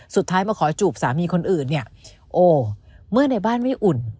สุดท้ายมาขอจูบสามีคนอื่นเนี่ยโอ้เมื่อในบ้านไม่อุ่น